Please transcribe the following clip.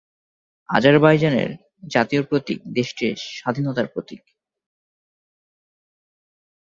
আজারবাইজানের জাতীয় প্রতীক দেশটির স্বাধীনতার প্রতীক।